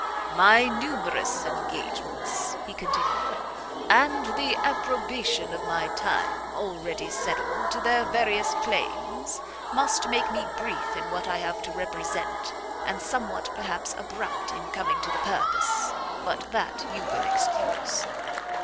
"My numerous engagements," he continued, "and the appropriation of my time, already settled, to their various claims, must make me brief in what I have to represent, and somewhat, perhaps, abrupt in coming to the purpose. But that you will excuse."